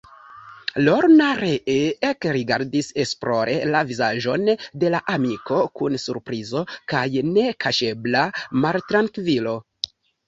Lorna ree ekrigardis esplore la vizaĝon de la amiko, kun surprizo kaj nekaŝebla maltrankvilo.